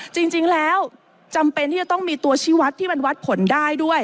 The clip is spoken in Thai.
จริงแล้วจำเป็นที่จะต้องมีตัวชีวัตรที่มันวัดผลได้ด้วย